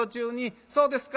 そうですか。